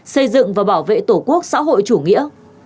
xây dựng và bảo vệ tổ quốc xã hội chủ nghĩa